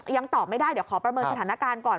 ยังตอบไม่ได้เดี๋ยวขอประเมินสถานการณ์ก่อน